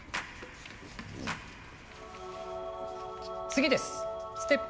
次です。